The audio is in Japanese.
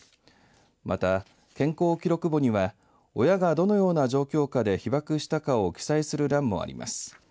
また、健康記録簿には親がどのような状況下で被爆したかを記載する欄もあります。